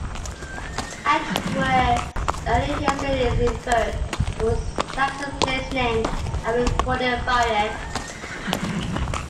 Edgware's early history is inferred from its Saxon place name and recorded variants.